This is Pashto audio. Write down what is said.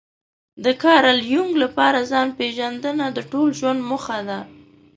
د کارل يونګ لپاره ځان پېژندنه د ټول ژوند موخه ده.